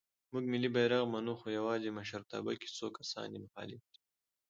مونږ ملی بیرغ منو خو یواځې مشرتابه کې څو کسان یې مخالف دی.